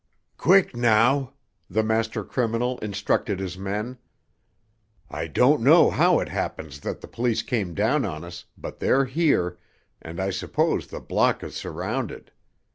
"Quick, now!" the master criminal instructed his men. "I don't know how it happens that the police came down on us, but they're here, and I suppose the block is surrounded.